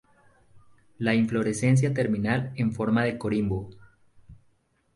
La inflorescencia terminal en forma de corimbo.